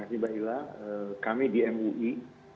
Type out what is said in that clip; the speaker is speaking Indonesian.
saya ingin mengucapkan terima kasih kepada menteri agama dan mui